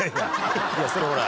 いやそれほら。